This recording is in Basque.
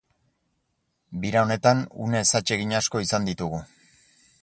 Bira honetan une ezatsegin asko izan ditugu.